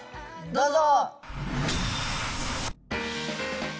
どうぞ。